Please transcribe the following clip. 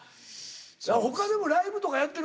他にもライブとかやってる。